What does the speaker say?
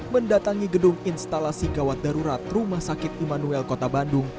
mendatangi gedung instalasi gawat darurat rumah sakit immanuel kota bandung